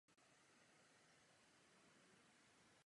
To je zásadně nepřijatelné.